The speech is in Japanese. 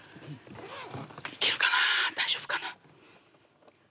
いけるかな大丈夫かな。